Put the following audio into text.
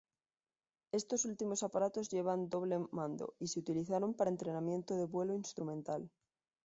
Estos últimos aparatos llevaban doble mando y se utilizaron para entrenamiento de vuelo instrumental.